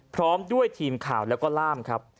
พร้อมด้วยทีมข่าวแล้วก็ล่ามครับ